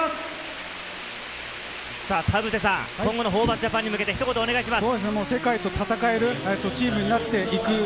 田臥さん、今後のホーバスＪＡＰＡＮに向けて、ひと言お願いします。